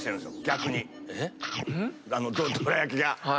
逆にあのどら焼きが。